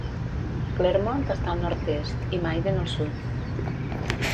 Clermont està al nord-est, i Maiden al sud.